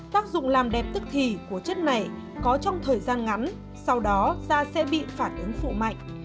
tác dụng làm đẹp tức thì của chất này có trong thời gian ngắn sau đó da sẽ bị phản ứng phụ mạnh